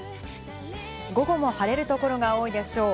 午後も晴れる所が多いでしょう。